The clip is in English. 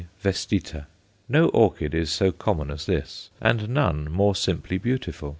vestita_. No orchid is so common as this, and none more simply beautiful.